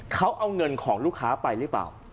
เขาเอาเงินของลูกค้าไปหรือเปล่า